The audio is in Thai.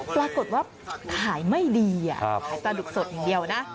ปรากฏว่าขายไม่ดีขายปลาดุกสดอย่างเดียวนะ